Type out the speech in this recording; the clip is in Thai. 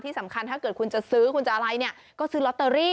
ที่สำคัญถ้าเกิดคุณจะซื้อควรจะอะไรเนี่ยก็ซื้อล็อตเตอรี่